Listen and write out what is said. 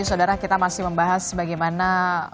saudara kita masih membahas bagaimana